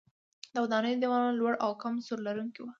د ودانیو دیوالونه لوړ او کم سور لرونکي وو.